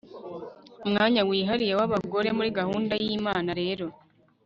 umwanya wihariye wabagore muri gahunda yimana rero